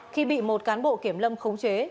khi bị một cán bộ kiểm lâm khống chế